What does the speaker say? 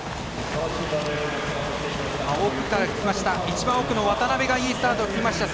一番奥の渡邊がいいスタートを切りました。